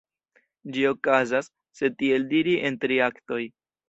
Ĝi okazas, se tiel diri, en tri aktoj.